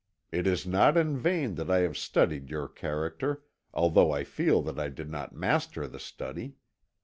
It is not in vain that I have studied your character, although I feel that I did not master the study.